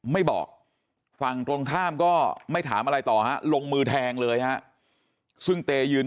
ไม่บอกฝั่งตรงข้ามก็ไม่ถามอะไรต่อฮะลงมือแทงเลยฮะซึ่งเตยืน